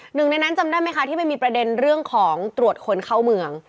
หนึ่งในนั้นจำได้ไหมคะที่มันมีประเด็นเรื่องของตรวจคนเข้าเมือง